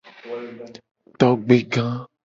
Togbega.